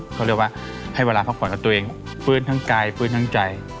เขาเรียกว่าให้เวลาพักผ่อนกับตัวเองฟื้นทั้งกายฟื้นทั้งใจ